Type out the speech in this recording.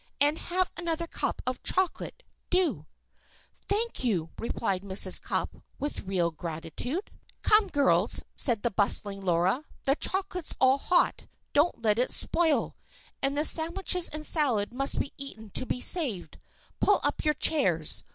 "And have another cup of chocolate; do!" "Thank you," replied Mrs. Cupp, with real gratitude. "Come, girls," said the bustling Laura. "The chocolate's all hot. Don't let it spoil. And the sandwiches and salad must be eaten to be saved. Pull up your chairs.